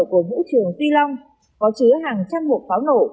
của vũ trường tuy long có chứa hàng trăm hộp pháo lậu